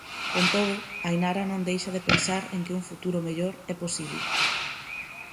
Con todo, Ainara non deixa de pensar en que un futuro mellor é posible.